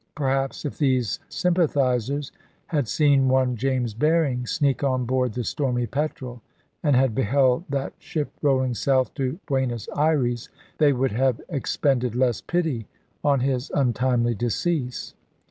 Perhaps, if these sympathisers had seen one James Berring sneak on board the Stormy Petrel, and had beheld that ship rolling south to Buenos Ayres, they would have expended less pity on his untimely decease.